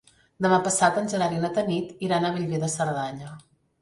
Demà passat en Gerard i na Tanit iran a Bellver de Cerdanya.